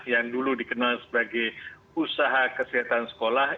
yang dulu dikenal sebagai usaha kesehatan sekolah